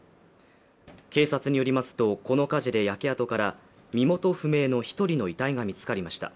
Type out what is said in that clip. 警察によりますとこの火事で焼け跡から身元不明の１人の遺体が見つかりました。